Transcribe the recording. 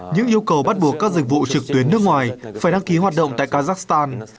những yêu cầu bắt buộc các dịch vụ trực tuyến nước ngoài phải đăng ký hoạt động tại kazakhstan